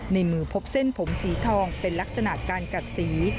ในมือพบเส้นผมสีทองเป็นลักษณะการกัดสี